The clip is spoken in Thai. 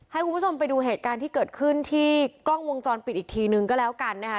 ให้คุณผู้ชมไปดูเหตุการณ์ที่เกิดขึ้นที่กล้องวงจรปิดอีกทีนึงก็แล้วกันนะคะ